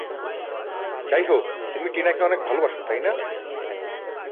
যাই হোক, তুমি টিনাকে অনেক ভালোবাসো তাই না?